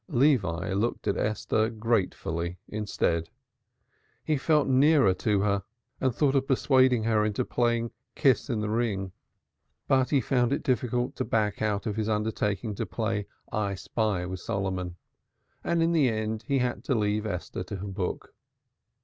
Levi looked at Esther gratefully instead. He felt nearer to her and thought of persuading her into playing Kiss in the Ring. But he found it difficult to back out of his undertaking to play I spy I with Solomon; and in the end he had to leave Esther to her book.